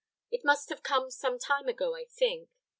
It must have come some time ago, I think.